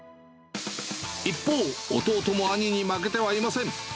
一方、弟も兄に負けてはいません。